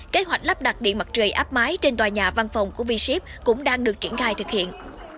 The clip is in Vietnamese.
kế hoạch lắp đặt điện mặt trời áp mái trên tòa nhà văn phòng của v ship cũng đang được triển khai thực hiện